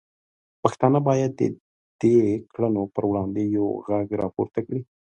پښتانه باید د دې کړنو پر وړاندې یو غږ راپورته کړي.